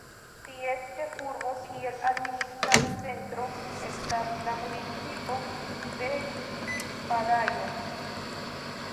Ties ĉefurbo, kiel administra centro, estas la municipo de Badajoz.